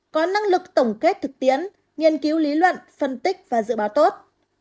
ba có năng lực tổng kết thực tiến nghiên cứu lý luận phân tích và dự báo tốt